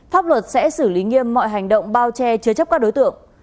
pháp luật sẽ xử lý nghiêm mọi hành động bao che chứa chấp các đối tượng